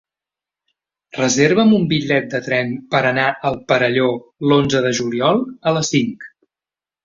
Reserva'm un bitllet de tren per anar al Perelló l'onze de juliol a les cinc.